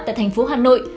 tại thành phố hà nội